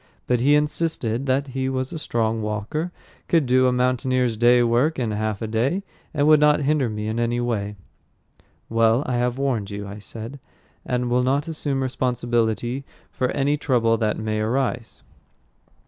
But he insisted that he was a strong walker, could do a mountaineer's day's work in half a day, and would not hinder me in any way. "Well, I have warned you," I said, "and will not assume responsibility for any trouble that may arise."